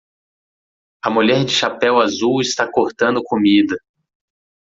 A mulher de chapéu azul está cortando comida